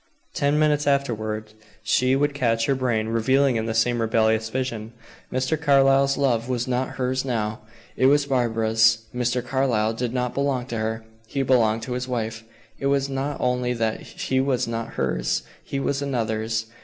Ten minutes afterward, she would catch her brain reveling in the same rebellious vision. Mr. Carlyle's love was not hers now, it was Barbara's. Mr. Carlyle did not belong to her, he belonged to his wife. It was not only that he was not hers he was another's.